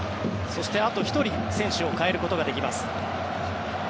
そしてあと１人選手を代えることができます。